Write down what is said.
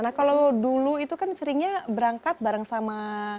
nah kalau dulu itu kan seringnya berangkat bareng sama